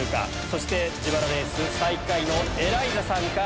そして自腹レース最下位のエライザさんか？